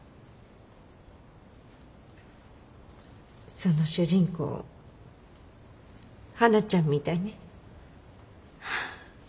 その主人公はなちゃんみたいね。